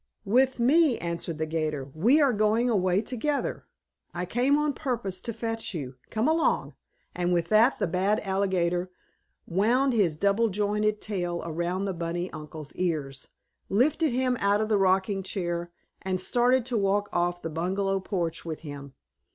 "With me," answered the 'gator. "We are going away together. I came on purpose to fetch you. Come along," and with that the bad alligator wound his double jointed tail around the bunny uncle's ears, lifted him out of the rocking chair and started to walk off the bungalow porch with him.